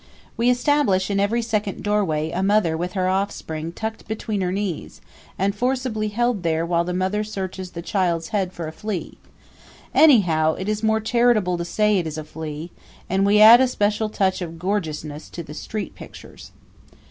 We establish in every second doorway a mother with her offspring tucked between her knees and forcibly held there while the mother searches the child's head for a flea; anyhow, it is more charitable to say it is a flea; and we add a special touch of gorgeousness to the street pictures.